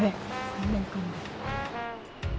３年間で。